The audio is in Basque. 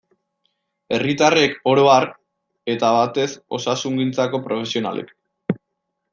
Herritarrek oro har, eta batez osasungintzako profesionalek.